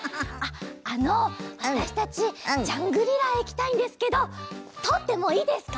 あのわたしたちジャングリラへいきたいんですけどとおってもいいですか？